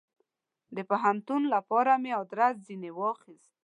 د پوهنتون دپاره مې ادرس ځني واخیست.